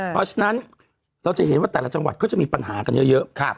เพราะฉะนั้นเราจะเห็นว่าแต่ละจังหวัดก็จะมีปัญหากันเยอะ